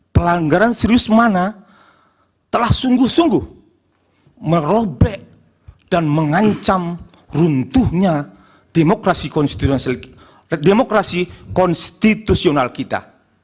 pelanggaran serius mana telah sungguh sungguh merobek dan mengancam runtuhnya demokrasi konstitusional kita